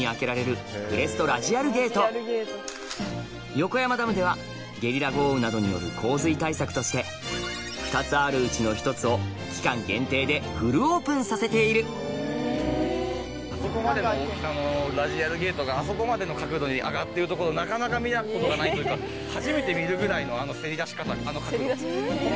横山ダムではゲリラ豪雨などによる洪水対策として２つあるうちの１つを期間限定でフルオープンさせているあそこまでの大きさのラジアルゲートがあそこまでの角度に上がってるところなかなか見たことがないというか初めて見るぐらいのあのせり出し方あの角度。